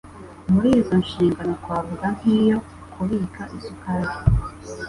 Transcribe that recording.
Muri izo nshingano twavuga nk'iyo kubika isukari